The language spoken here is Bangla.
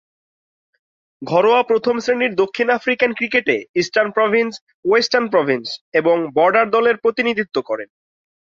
ঘরোয়া প্রথম-শ্রেণীর দক্ষিণ আফ্রিকান ক্রিকেটে ইস্টার্ন প্রভিন্স, ওয়েস্টার্ন প্রভিন্স এবং বর্ডার দলের প্রতিনিধিত্ব করেন।